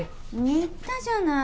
言ったじゃない。